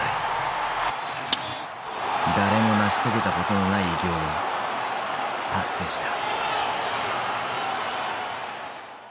誰も成し遂げたことのない偉業を達成した。